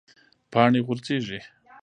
پاڼې غورځیږي